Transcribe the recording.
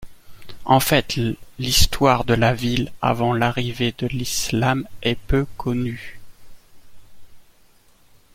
En fait l'histoire de la ville avant l'arrivée de l'islam est peu connue.